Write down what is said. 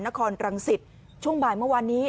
นครรังสิตช่วงบ่ายเมื่อวานนี้